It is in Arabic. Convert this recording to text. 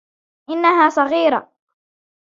إنها صغيرة.